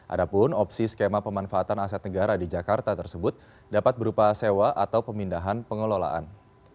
adapun opsi skema pemanfaatan aset negara di jakarta tersebut dapat berupa sewa atau pemindahan pengelolaan